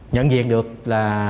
nhận diện được là